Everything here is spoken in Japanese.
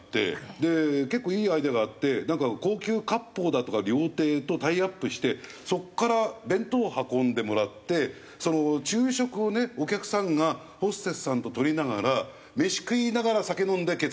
で結構いいアイデアがあってなんか高級割烹だとか料亭とタイアップしてそこから弁当を運んでもらって昼食をねお客さんがホステスさんと取りながら飯食いながら酒飲んでケツ触るっていうね